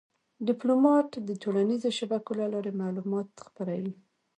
ډيپلومات د ټولنیزو شبکو له لارې معلومات خپروي.